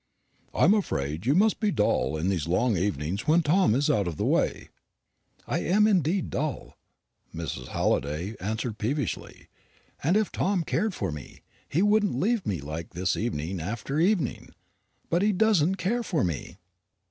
I am afraid you must be dull in these long evenings when Tom is out of the way." "I am indeed dull," Mrs. Halliday answered peevishly; "and if Tom cared for me, he wouldn't leave me like this evening after evening. But he doesn't care for me."